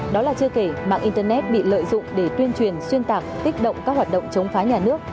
đó là chưa kể mạng internet bị lợi dụng để tuyên truyền xuyên tạc kích động các hoạt động chống phá nhà nước